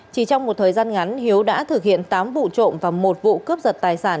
chỉ trong một thời gian ngắn hiếu đã thực hiện tám vụ trộm và một vụ cướp giật tài sản